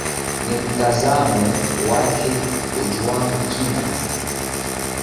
ni mtazamo wake ojwang kina